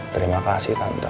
terima kasih tante